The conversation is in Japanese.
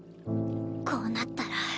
こうなったら。